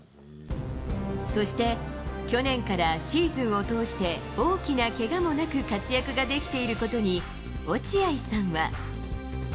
そして、去年からシーズンを通して、大きなけがもなく活躍ができていることに、落合さんは。